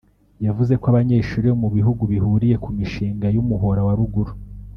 yavuze ko abanyeshuri bo mu bihugu bihuriye ku mishinga y’umuhora wa ruguru